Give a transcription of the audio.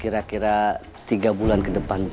kira kira tiga bulan ke depan